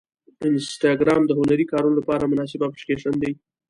انسټاګرام د هنري کارونو لپاره مناسب اپلیکیشن دی.